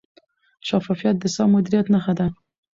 شفافیت د سم مدیریت نښه ده.